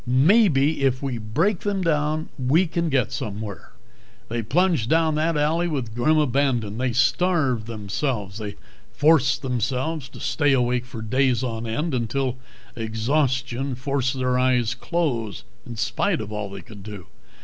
Maybe if we break them down we can get somewhere." They plunged down that alley with grim abandon. They starved themselves. They forced themselves to stay awake for days on end, until exhaustion forced their eyes closed in spite of all they could do.